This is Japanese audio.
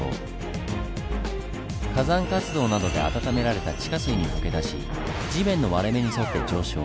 火山活動などで温められた地下水に溶け出し地面の割れ目に沿って上昇。